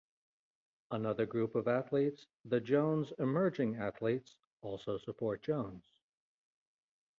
Another group of athletes, the Jones Emerging Athletes, also support Jones.